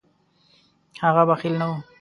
هغه بخیل نه و.